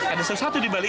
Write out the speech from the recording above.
ada sesuatu di balik